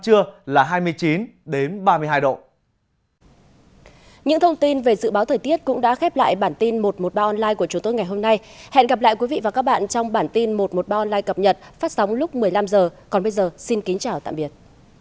hãy đăng kí cho kênh lalaschool để không bỏ lỡ những video hấp dẫn